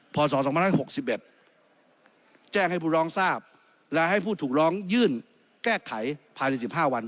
พศ๒๖๑แจ้งให้ผู้ร้องทราบและให้ผู้ถูกร้องยื่นแก้ไขภายใน๑๕วัน